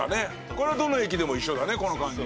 これはどの駅でも一緒だね、この感じ。